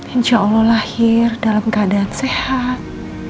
insya allah lahir dalam keadaan sehat